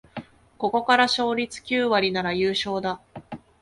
ここから勝率九割なら優勝だ